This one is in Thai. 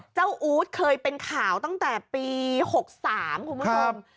อู๊ดเคยเป็นข่าวตั้งแต่ปี๖๓คุณผู้ชม